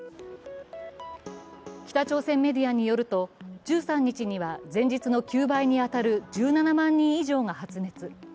北朝鮮メディアによると、１３日には前日の９倍に当たる１７万人以上が発熱。